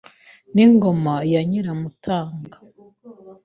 N'ingoma ya Nyiramutaga